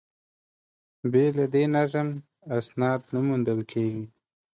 بې له دې نظم، اسناد نه موندل کېږي.